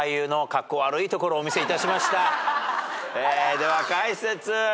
では解説。